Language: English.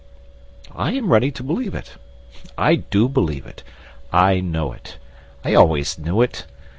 I am ready to believe it. I do believe it. I know it. I always knew it.